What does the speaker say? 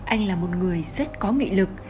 anh là một người rất có nghị lực